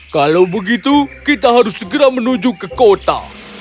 kalau begitu kita harus segera menuju ke kota